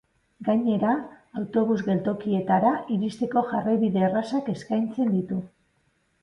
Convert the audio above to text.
Gainera, autobus-geltokietara iristeko jarraibide errazak eskaintzen ditu.